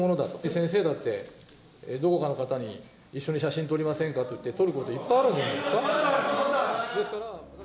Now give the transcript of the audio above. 先生だって、どこかの方に一緒に写真撮りませんかといって、撮ることいっぱいあるんじゃないですか。